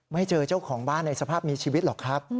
ไม่เจอเจ้าของบ้านในสภาพมีชีวิตหรอกครับ